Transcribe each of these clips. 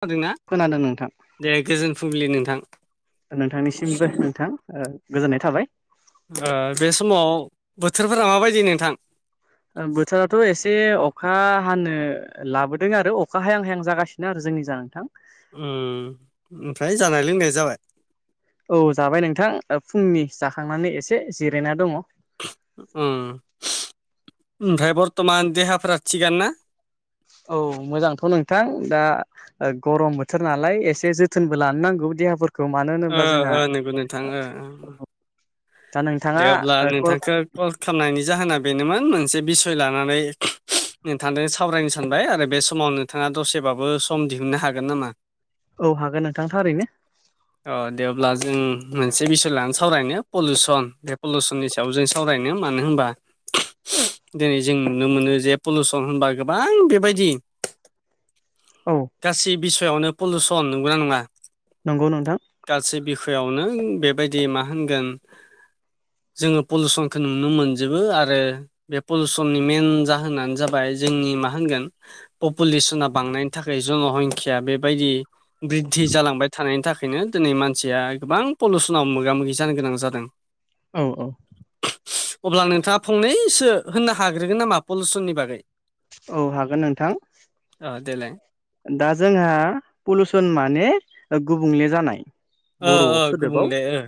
खोनादोंना? खोनादों नोंथां। दे गोजोन फुंबिलि नोंथां। नोंथांनिसिमबो नोंथां गोजोननाय थाबाय। बे समाव बोथोरफोरा माबायदि नोंथां? बोथोराथ' एसे अखा हानो लाबोदों आरो अखा हायां हायां जागासिनो। बेनो आरो जोंनिजा नोंथां। ओमफ्राय जानाय लोंनाय जाबाय? औ जाबाय नोंथां फुंनि जाखांनानै एसे जिरायना दङ। अ ओमफ्राय बरथमान देहाफ्रा थिगानो ना? औ मोजांथ' नोंथां दा गरम बोथोर नालाय एसे जोथोनबो लानो नांगौ देहाफोरखौ। मानो ओ होनोब्ला जोंहा ओ नंगौ नोंथां ओ ओ दा दे नोंथाङा अब्ला कल नोंथांखौ कल खालामनायनि जाहोना बेनोमोन मोनसे बिसय लानानै नोंथां सा सावरायनो सानबाय आरो बे समाव नोंथाङा दसेबाबो सम दिहुननो हागोन नामा? औ हागोन नोंथां थारैनो। अ देब्ला जों मोनसे बिसय लानानै सावरायनो पलिुसन बे पलिुसननि सायाव फिसावजों [unintelligible] सावरायनो मानो होनबा दिनै जों नुनो मोनो जे पलिउसन होनबा गोबां बेबायदि [inaudible] औ गासै बिसयावनो पलुउसन नङा होनबा? नंगौ नोंथां। गासै बिखायावनो बेबायदि मा होनगोन? जोङो पलुउसनखौ नुनो मोनजोबो आरो बे पलिउसननि मेन जाहोनानो जाबाय जोंनि मा होनगोन? पपुलेसना बांनायनि थाखाय जनहंखाया बेबायदि ब्रिद्धि जालांबाय थानायनि थाखाय बेखायनो दिनै मानसिया गोबां पलिउसनाव मोगा मोगि जानो गोनां जादों। औ औ अब्ला नोंथाङा फंनैसो होननो हाग्रोगोन नामा पलुसननि बागै औ हागोन नोंथां। अ देलाय दा जोंहा पलुसन माने ओ गुबुंले जानाय ओ बर' ओ सोदोबाव गुबुंले ओ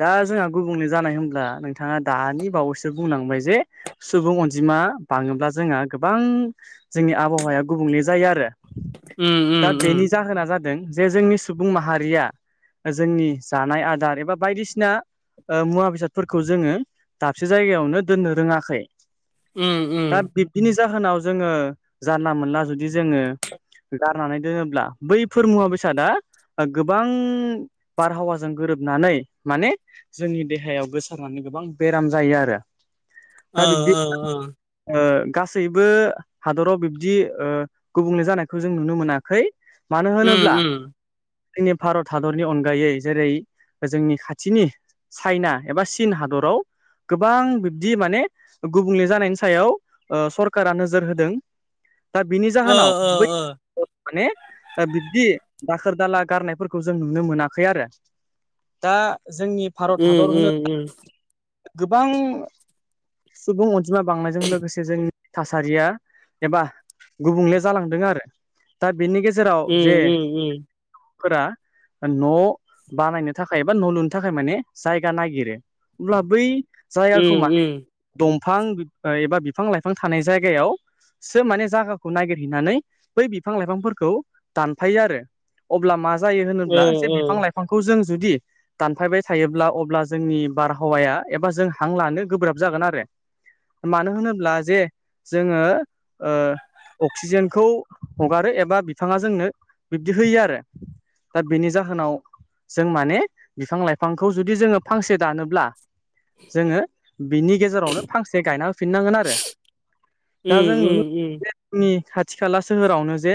दा जोंहा गुबुंले जानाय होनब्ला नोंथाङा दानि बावैसो बुंलांबाय जे सुबुं अनजिमा बाङोब्ला जोंहा गोबां जोंनि आबहावाया गुबुंले जायो आरो उम उम दा उम बेनि जाहोना जादों जे जोंनि सुबुं माहारिया जोंनि जानाय आदार एबा बायदिसिना ओ मुवा बेसादफोरखौ जोङो दाबसे जायगायावनो दोननो रोङाखै। ओम ओम दा बिब्दिनि जाहोनाव जोङो जानला मोनला जुदि जोङो गारनानै दोनोब्ला बैफोर मुवा बेसादा गोबां बारहावाजों गोरोबनानै माने जोंनि देहायाव गोसारनानै गोबां बेराम जायो आरो दा बिब्दि ओ गासैबो हादराव बिब्दि ओ गुबुंले जानाय खौ जों नुनो मोनाखै मानो होनोब्ला जोंनि भारत हादरनि अनगायै जेरै जोंनि खाथिनि चाइना एबा चिन हादराव गोबां बिब्दि माने गुबुंले जानायनि सायाव सरकारा नोजोर होदों। दा बिनि जाहोनाव बै माने बिबदि दाखोर दाला गारनायफोरखौ जों नुनो मोनाखै आरो। दा जोंनि भारत हादर होनो गोबां सुबुं अनजिमा बांनायजों लोगोसे जोंनि थासारिया एबा गुबुंले जालांदों आरो दा बिनि गेजेराव जे फोरा न' बानायनो थाखाय एबा न' लुनो थाखाय माने जायगा नागिरो अब्ला बै जायागौमानि दंफां एबा बिफां लाइफां थानाय जायगायावसो माने जायगाखौ नागिरहैनानै बै बिफां लाइफांफोरखौ दानफायो आरो अब्ला मा जायो होनोब्ला जे बिफां लाइफां बिफांखौ जों जुदि दानफायबाय थायोब्ला अब्ला जोंनि बारहावाया एबा जों हां लानो गोब्राब जागोन आरो मानो होनोब्ला जे जोङो ओ अक्सिजेनखौ हगारो एबा बिफाङा जोंनो बिब्दि होयो आरो दा बेनि जाहोनाव जों माने बिफां लाइफांखौ जुदि जोङो फांसे दानोब्ला जोङो बिनि गेजेरावनो फांसे गायना होफिननांगोन आरो दा जों उम नुनो उम उम जोंनि खाथि खाला सोहोरावनो जे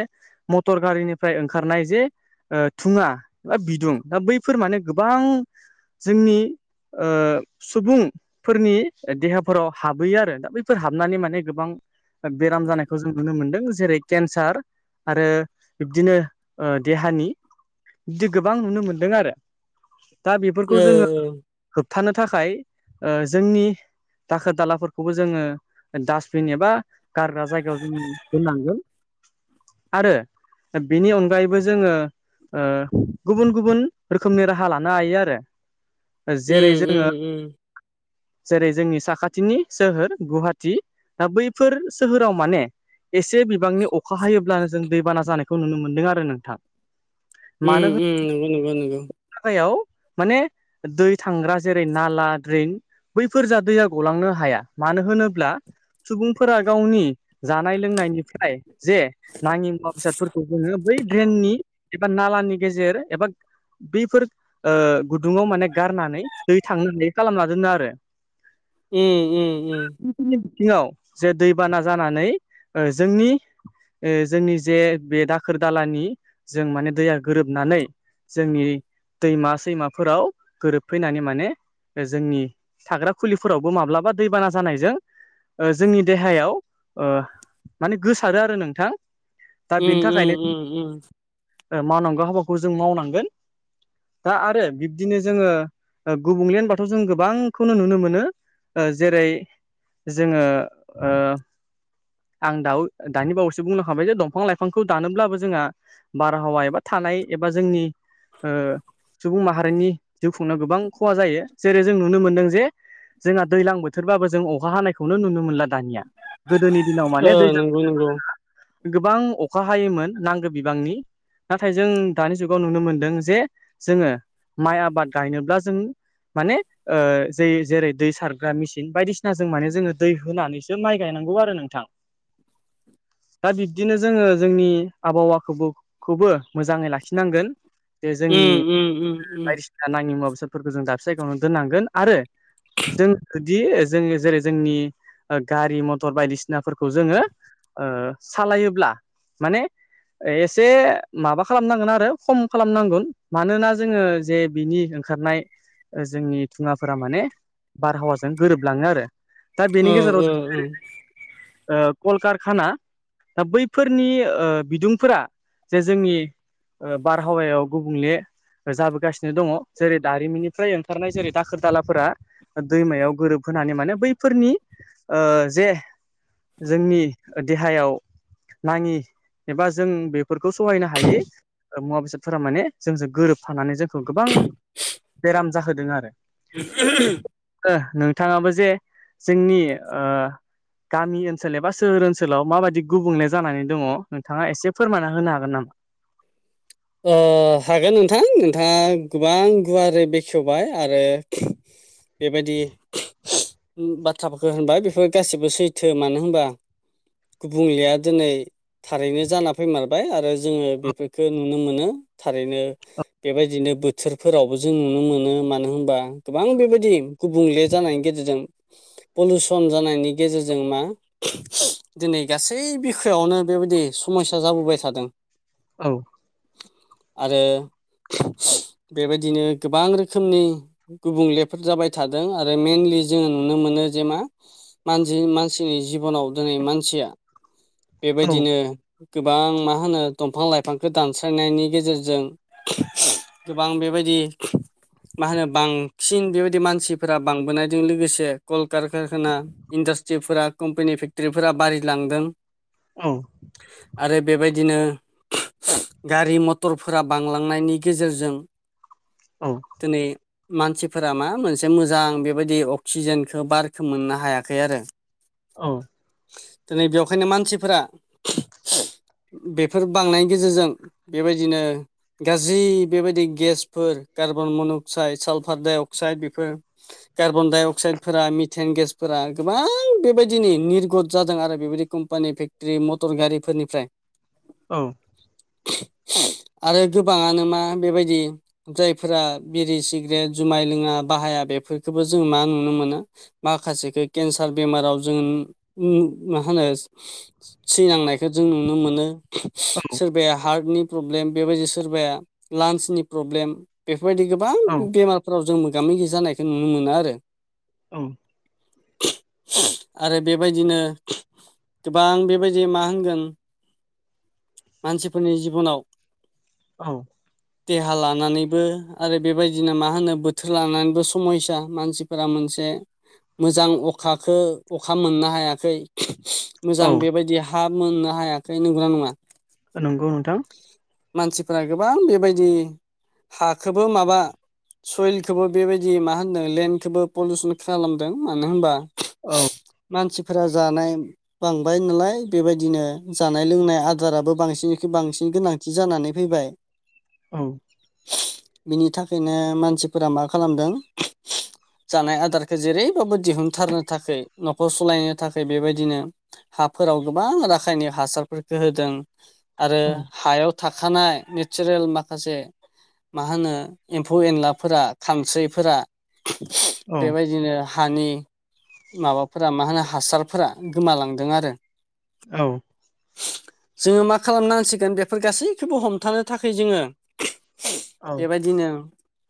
मटर गारिनिफ्राय ओंखारनाय जे थुङा बा बिदुं दा बैफोर माने गोबां जोंनि ओ सुबुं फोरनि देहाफोराव हाबहैयो आरो दा बैफोर हाबनानै माने गोबां बेराम जानायखौ जों नुनो मोन्दों जेरै केन्सार आरो बिब्दिनो ओ देहानि बिदि गोबां नुनो मोनदों आरो दा ओ बेफोरखौ जोङो ओ होबथानो थाखाय ओ जोंनि दाखोर दालाफोरखौबो जोङो डास्टबिन एबा गारग्रा जायगायाव जोङो दोननांगोन। आरो बिनि अनगायैबो जोङो ओ गुबुन गुबुन रोखोमनि राहा लानो हायो आरो जेरै जोङो जेरै जोंनि साखाथिनि सोहोर गुवाहाटि दा बैफोर सोहोराव माने एसे बिबांनि अखा हायोब्लानो जों दैबाना जानायखौ नुनो मोनदों आरो नोंथां उ उम नंगौ नगौ नंगौ जायाव माने दै थांग्रा जेरै नाला द्रेन बैफोर जा दैया गलांनो हाया मानो होनोब्ला सुबुंफोरा गावनि जानाय लोंनायनिफ्राय जे नाङि मुवा बेसादफोरखौ जोङो बै ड्रेननि एबा नालानि गेजेर एबा बैफोर ओ गुदुङाव माने गारनानै दै थांनानै हायि खालामना दोनो आरो उ उ उ बिथिङाव जे दैबाना जानानै ओ जोंनि जोंनि जे बे दाखोर दालानि जों माने दैया गोरोबनानै जोंनि दैमा सैमाफोराव गोरोबफैनानै माने जोंनि थाग्रा खुलिफोरावबो माब्लाबा दैबाना जानायजों ओजोंनि देहायाव ओ माने गोसा- सारो आरो नोंथां दा बेनि उम थाखायनो उम उम मावनांगौ हाबाखौ जों मावनांगोन दा आरो बिब्दिनो जोङो गुबुंले होनबाथ' जों गोबांखौनो नुनो मोनो ओ जेरै जोङो ओ आं दाउ दानि बावैसो बुंलांखाबाय जे दंफां लाइफांखौ दानोब्लाबो जोंहा बारहावा एबा थानाय एबा जोंनि ओ सुबुं माहारिनि जिउ खुंनो गोबां खहा जायो जेरै जों नुनो मोनदों जे जोंहा दैज्लां बोथोरबाबो जों अखा हानायखौनो नुनो मोनला दानिया गोदोनि दिनाव ओ माने दैज्लां नंगौ नंगौ गोबां अखा हायोमोन नांगो बिबांनि नाथाय जों दानि जुगाव नुनो मोनदों जे जोङो माइ आबाद गायनोब्ला जों माने ओ जे जेरै दै सारग्रा मेसिन बायदिसिनाजों माने जोङो दै होनानैसो माइ गायनांगौ आरो नोंथां दा बिब्दिनो जोङो जोंनि आबहावाखौबो मोजाङै लाखिनांगोन बेे जोंनि उम उम उम उम बायदिसिना नाङि मुवा बेसादफोरखौ जों दाबसे जायगायावनो दोननांगोन आरो जों जुदि जोङो जेरै जोंनि गारि मथर बायदिसिनाफोरखौ जोङो ओं सालायोब्ला माने एसे माबा खालामनांगोन आरो खम खालामनांगोन मानोना जोङो जे बिनि ओंखारनाय जोंनि धुङाफोरा माने बारहावाजों गोरोबलाङो आरो दा बेनि ओ गेजेराव ओ उम ओ कलकारखाना दा बैफोरनि ओ बिदुंफोरा जे जोंनि ओ बारहावायाव गुबुंले जाबोगासिनो दङ' जेरै दारिमिननिफ्राय ओंखारनाय जेरै दाखोर दालाफोरा दैमायाव गोरोबहोनानै माने बैफोरनि ओ जे जोंनि देहायाव नाङि एबा जों बे फोरखौ सहायनो हायि मुवा बेसादफोरा माने जोंजों गोरोबफानानै जोंखौ गोबां बेराम जाहोदों आरो [inaudible] ओ नोंथाङाबो जे जोंनि गामि ओ- ओनसोल एबा सोहोर ओनसोलाव माबायदि गुबुंले जानानै दङ' नोंथाङा एसे फोरमायना होनो हागोन नामा? ओ हागोन नोंथां नोंथाङा गोबां गुवारै बेखेवबाय आरो बेबायदि बाथ्राफोरखौ होनबाय बेफोर गासैबो सैथो मानो होनबा गुबुंलेया दिनै थारैनो जाना फैमारबाय आरो जोङो बेफोरखौ नुनो मोनो थारैनो बेबायदिनो बो- बोथोरफोरावबो जों नुनो मोनो मानो होनबा गोबां बेबायदि गुबुंले जानायनि गेजेरजों पलिउसन जानायनि गेजेरजों मा दिनै गासै बिखायावनो बेबायदि समयया जाबोबाय थादों औ आरो बेबायदिनो गोबां रोखोमनि गुबुंलेफोर जाबाय थादों आरो मइेनलि जोङो नुनो मोनो जे मा मानजि मानसिनि जिबनाव दिनै मानसिया औ बेबायदिनो गोबां मा होनो दंफां लाइ फांखौ दानस्रायनायनि गेजेरजों गोबां बेबायदि मा होनो बांसिन बेबायदि मानसिफोरा बांबोनायजों लोगोसे कल कारकारखाना इन्डास्ट्रिफोरा कम्पानि फेक्टरफोरा बारलांदों औ आरो बेबायदिनो गारि मथरफोरा बांलांनायनि गेजेरजों औ दिनै मानसिफोरा मा मोनसे मोजां बेबायदि अक्सिजेनखौ बारखौ मोननो हायाखै आरो [inaudible] औ दिनै बेखायनो मानसिफोरा बेफोर बांनायनि गेजेरजों बेबायदिनो गाज्रि बेबायदि गेसफोर carbon monoxide sulphur dioxide बेफोर कार्बन डाइ अक्साइदफोरा मिथेन गेसफोरा गोबां बेबायदिनो निर्गद जादों आरो बेबायदि कम्पानि फेक्टि मटर गारिफोरनिफ्राय औ आरो गोबाङानो मा बेबायदि जायफोरा बिरि सिग्रेट जुमाय लोङा बाहाया बेफोरखौबो जोङो मा नुनो मोनो माखासेखौ केन्सार बेमाराव जों मा होनो सिगांनायखौ जों नुनो मोनो सोरबाया हार्टनि प्रब्लेम बेबायदि सोरबाया लांसनि प्रब्लेम बेफोरबायदि गोबां औ बेमारफोराव जों मोगा मोगि जानायखौ नुनो मोनो आरो औ आरो बेबायदिनो गोबां बेबायदि मा होनगोन मानसिफोरनि जिबनाव औ [inaudible] देहा लानानैबो आरो बेबायदिनो मा होनो बोथोर लानानैबो समयसा मानसिफोरा मोनसे मोजां अखाखौ अखा मोननो हायाखै मोजां औ बेबायदि हा मोननो हायाखै नंगौना नङा नंगौ नोंथां मानसिफोरा गोबां बेबायदि हाखौबो माबा सयलखौबो बेबायदि मा होनदों लेन्डखौबो पलिउसन खालामदों मानो होनबा औ मानसिफोरा जानाय बांबाय नालाय बेबायदिनो जानाय लोंनाय आ दाराबो बांसिननि बांसिन गोनांथि जानानै फैबाय औ बिनि थाखायनो मानसिफोरा मा खालामदों जानाय आदारखौ जेरैबाबो दिहुनथारनो थाखाय न'खर सालायनो थाखाय बेबायदिनो हाफोराव गोबां राखायनिक हासारफोरखौ हो दों आरो औ हायाव थाखानाय नेचारेल माखासे मा होनो एम्फौ एनलाफोरा खानस्रिफोरा औ बेबायदिनो हानि माबाफोरा मा होनो हासारफोरा गोमालांदों आरो औ जोङो मा खालामनांसिगोन बेफोर गासैखौबो हमथानो थाखाय जोङो औ बेबायदिनो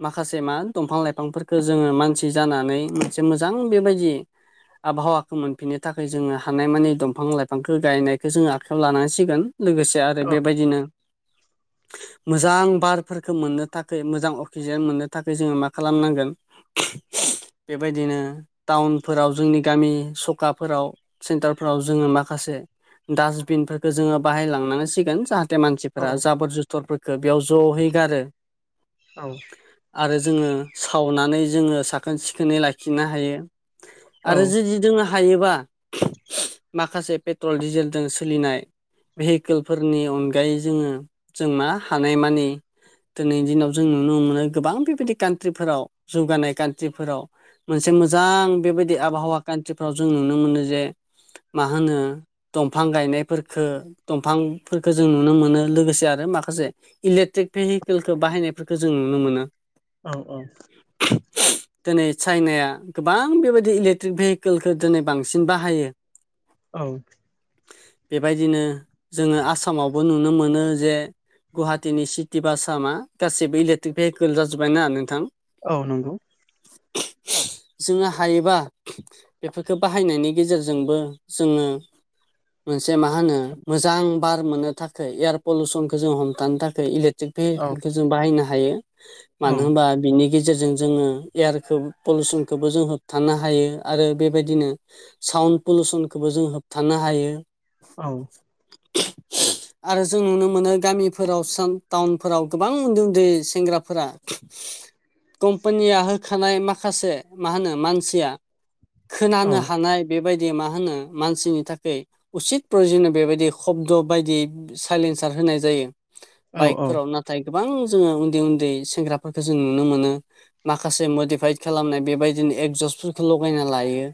माखासे मा दंफां लाइफांफोरखौ जोङो मानसि जानानै मोनसे मोजां बेबायदि आबहावाखौ मोनफिननो थाखाय जोङो हानाय मानि दंफां लाइफांखौ गायनायखौ जोंङो आखायाव लानांसिगोन गोन लोगोसे आरो बेबायदिनो मोजां बारफोरखौ मोननो थाखाय मोजां अक्सिजेन मोननो थाखाय जोङो मा खालामनांगोन बेबायदिनो टाउनफोराव जोंनि गामि सखाफोराव सेन्टारफोराव जोङो माखासे डास्टबिनफोरखौ जोङो बाहायलांनानैसिगोन जाहाथे औ मानसिफोरा जाबोर जुथुर क्टरफोरखौ बेयाव जहै गारो आरो जोङो सावनानै जोङो साखोन सिखोनै लाखिनो हायो औ आरो जुदि जोंहा हायोबा माखासे पेट्रल डिजेलजों सोलिनाय भेहिकेलफोरनि अनगायै जोङो जों मा हानायमानि दिनैनि दिनाव जों नुनो मोनो गोबां बेबायदि कान्ट्रिफोराव जौगानाय कान्ट्रिफोराव मोनसे मोजां बेबायदि आबहावा खान्थिफ्राव जों नुनो मोनो जे मा होनो दंफां गायनायफोरखौ दंफांफोरफोरखौ जों नुनो मोनो लोगोसे आरो माखासे इलेकट्रिक भेहिकेलखौ बाहायनायफोरखौ जों नुनो मोनो औ औ [unintelligible] दिनै चाइनाया गोबां बेबायदि इलेक्ट्रिक भेहिकेलखौ दिनै बांसिन बाहायो औ बेबायदिनो जोङो आसामावबो नुनो मोनो जे गुवाहाटिीनि सिटि बाास मा गासैबो इलेकट्रिक भेहिकेल जाजोब्बायना नोंथां औ नंगौ [unintelligible] जोङो हायोबा बेफोरफोरखो बाहायनायनि गेजेरजोंबो जोङो मोनसे मा होनो मोजां बार मोननो थाखाय एयार पलुसनखौ जों हमथानो थाखाय इले थिग औ बेखौ जों बाहायनो हायो औ मानो होनबा बा बिनि गेजेरजों जोङो एयारखौ पलिउसनखौबो जों होबथानो हायो आरो बेबायदिनो साउन्ड पलुसनखौबो जों होबथानो हायो औ [unintelligible] आरो जों नुनो मोनो गामिफोराव टाउनफोराव गोबां उन्दै उन्दै सेंग्राफोरा कम्पानिया होखानाय माखासे मा होनो मानसिया खोनानो हानाय बेबायदि मा होनो मानसिनि थाखाय उसिद प्रयजन बेबायदि खब्द बायदि साइलेन्सार होनाय जायो औ बाइकफोराव ना नाथाय गोबां जोङो उन्दै उन्दै सेंग्राफोरखौो जों नुनो मोनो माखासे मडिफाइद खालामनाय बेबायदिनो एगजस्फोरखौ लगायना लायो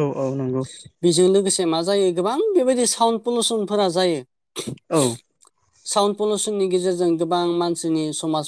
औ औ नंगौ बेजों लोगोसे मा जायो गोबां बेबायदि साउन्ड पलउसनफोरा जायो औ साउन्ड पलिउसननि गेजेरजों गोबां मानसिनि समाज